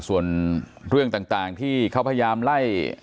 ส่วนเรื่องต่างที่เขาพยายามไล่